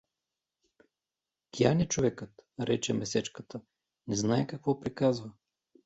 — Пиян е човекът — рече Месечката, — не знае какво приказва.